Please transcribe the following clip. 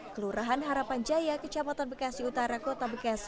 kelurahan harapan jaya kecamatan bekasi utara kota bekasi